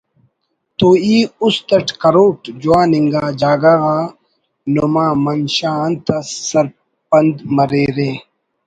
تو ای است اٹ کروٹ جوان انگا جاگہ غان نما منشا انت اس سرپند مریرے